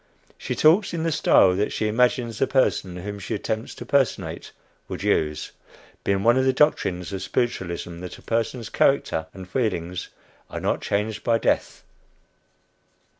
She talks in the style that she imagines the person whom she attempts to personate would use, being one of the doctrines of spiritualism that a person's character and feelings are not changed by death.